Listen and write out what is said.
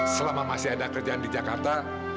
selama masih ada kerjaan di jakarta